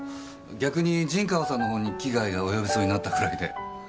逆に陣川さんの方に危害が及びそうになったくらいで。